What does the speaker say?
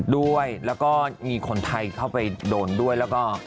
ด้วยแล้วก็มีคนไทยเข้าไปโดนด้วยแล้วก็